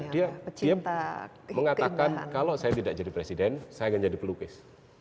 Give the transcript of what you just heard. dia mengatakan kalau saya tidak jadi presiden saya akan jadi pelukis